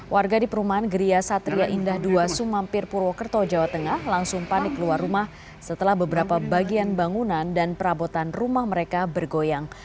warga di perumahan geria satria indah dua sumampir purwokerto jawa tengah langsung panik keluar rumah setelah beberapa bagian bangunan dan perabotan rumah mereka bergoyang